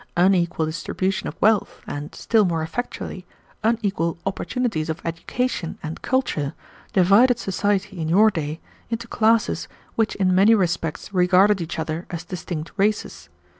Unequal distribution of wealth, and, still more effectually, unequal opportunities of education and culture, divided society in your day into classes which in many respects regarded each other as distinct races.